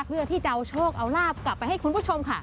เพื่อที่จะเอาโชคเอาลาบกลับไปให้คุณผู้ชมค่ะ